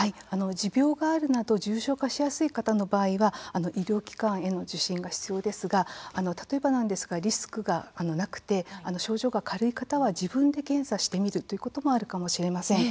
持病があるなど重症化しやすい方の場合は医療機関への受診が必要ですが例えば、リスクがなくて症状が軽い方は自分で検査してみるということもあるかもしれません。